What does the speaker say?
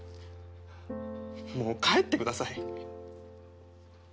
もう帰ってください。